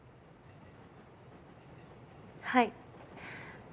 はい。